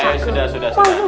eh sudah sudah sudah